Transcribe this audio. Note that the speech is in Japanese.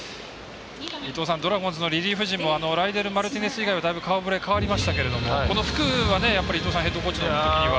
ドラゴンズのリリーフ陣もライデル・マルティネス以外はだいぶ顔ぶれが変わりましたけれども、福はやっぱり、伊東さんヘッドコーチのときには。